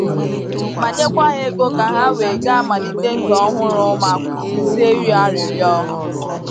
ma nyekwa ha ego ka ha wee ga malite ndụ ọhụrụ ma kwụsịzie ịrịọ arịrịọ.